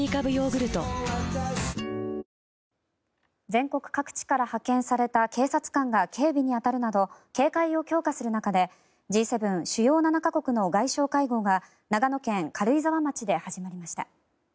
全国各地から派遣された警察官が警備に当たるなど警戒を強化する中でＧ７・主要７か国の外相会合が長野県軽井沢町で始まりました。